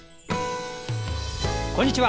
こんにちは。